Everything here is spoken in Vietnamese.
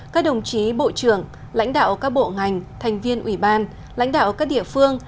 các đồng chí bộ trưởng lãnh đạo các bộ ngành thành viên ủy ban lãnh đạo các địa phương